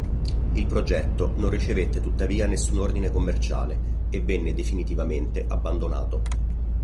Il progetto non ricevette tuttavia nessun ordine commerciale e venne definitivamente abbandonato.